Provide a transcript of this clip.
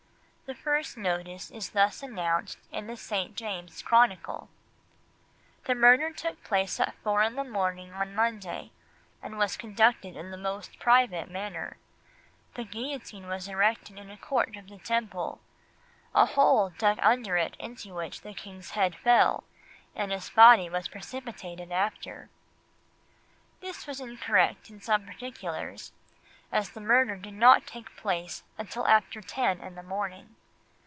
The first notice is thus announced in the St. James's Chronicle: "The murder took place at four in the morning on Monday, and was conducted in the most private manner. The guillotine was erected in a court of the Temple. A hole dug under it into which the King's head fell, and his body was precipitated after." This was incorrect in some particulars, as the murder did not take place until after ten in the morning.